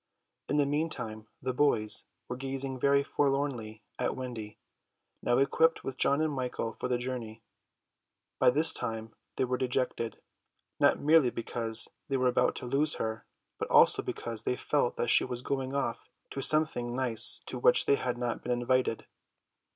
In the meantime the boys were gazing very forlornly at Wendy, now equipped with John and Michael for the journey. By this time they were dejected, not merely because they were about to lose her, but also because they felt that she was going off to something nice to which they had not been invited.